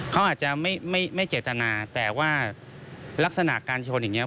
เขาอาจจะไม่เจตนาแต่ว่าลักษณะการชนอย่างนี้